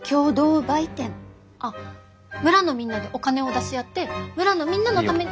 あっ村のみんなでお金を出し合って村のみんなのために。